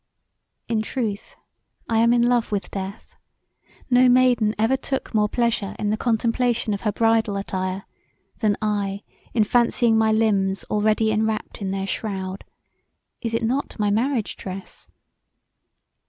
In truth I am in love with death; no maiden ever took more pleasure in the contemplation of her bridal attire than I in fancying my limbs already enwrapt in their shroud: is it not my marriage dress?